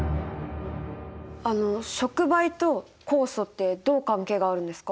あの触媒と酵素ってどう関係があるんですか？